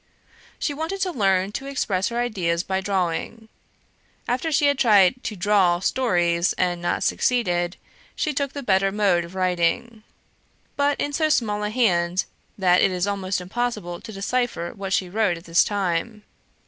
She wanted to learn to express her ideas by drawing. After she had tried to DRAW stories, and not succeeded, she took the better mode of writing; but in so small a hand, that it is almost impossible to decipher what she wrote at this time.